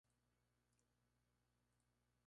Una de sus cervezas más conocida es la Medalla Light.